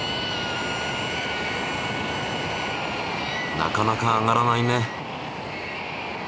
なかなか上がらないね。